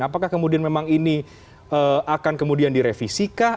apakah kemudian memang ini akan kemudian direvisi kah